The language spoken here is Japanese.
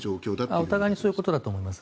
お互いにそういうことだと思います。